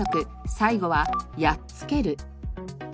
最後は「やっつける」。